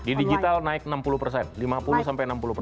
di digital naik enam puluh persen lima puluh sampai enam puluh persen